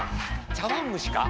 ちゃわんむしか！